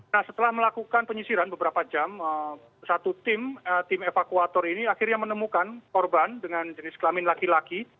nah setelah melakukan penyisiran beberapa jam satu tim evakuator ini akhirnya menemukan korban dengan jenis kelamin laki laki